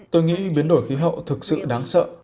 tôi nghĩ biến đổi khí hậu thực sự đáng sợ